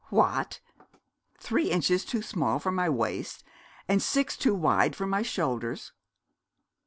'What? Three inches too small for my waist, and six too wide for my shoulders?'